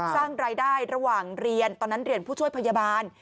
สร้างรายได้ระหว่างเรียนตอนนั้นเรียนผู้ช่วยพยาบาล